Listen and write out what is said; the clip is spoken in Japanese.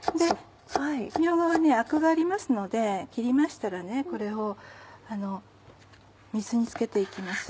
みょうがはアクがありますので切りましたらこれを水に漬けて行きます